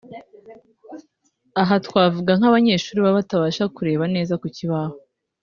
aha twavuga nk’abanyeshuri baba batabasha kureba neza ku kibaho